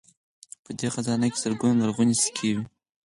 په دې خزانه کې زرګونه لرغونې سکې وې